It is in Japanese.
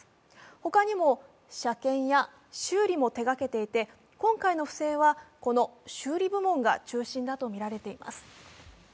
他にも車検や修理なども手がけていて今回の不正はこの修理部門が中心だとみられています。